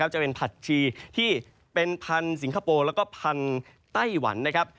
จะเป็นผักชีที่เป็นพันธุ์สิงคโปร์แล้วก็พันธุ์ไต้หวันนะครับ